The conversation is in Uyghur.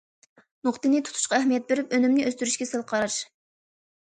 نۇقتىنى تۇتۇشقا ئەھمىيەت بېرىپ، ئۈنۈمنى ئۆستۈرۈشكە سەل قاراش.